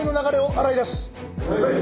はい。